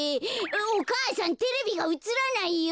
お母さんテレビがうつらないよ。